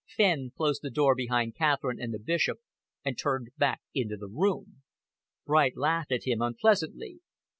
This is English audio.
Fenn closed the door behind Catherine and the Bishop and turned back into the room. Bright laughed at him unpleasantly.